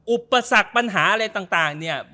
อุปสรรคปัญหาอะไรต่างเนี่ย